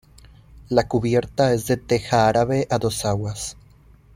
La cubierta es de teja árabe a dos aguas.